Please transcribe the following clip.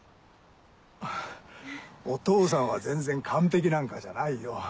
お父さんは全然完璧なんかじゃないよ。